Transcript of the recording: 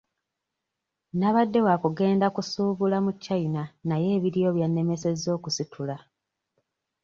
Nabadde waakugenda kusuubula mu China naye ebiriyo byannemesezza okusitula.